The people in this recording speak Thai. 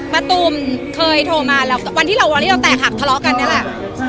ตูมเคยโทรมาแล้ววันที่เราวันที่เราแตกหักทะเลาะกันนี่แหละ